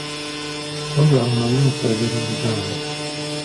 Wabula omanyi okwogela Oluganda!